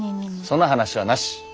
その話はなし！